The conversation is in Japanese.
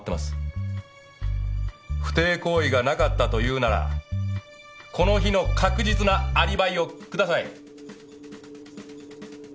不貞行為がなかったと言うならこの日の確実なアリバイを下さい。